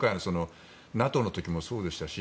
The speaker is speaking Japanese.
ＮＡＴＯの時もそうでしたし